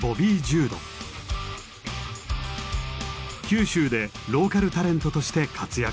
九州でローカルタレントとして活躍。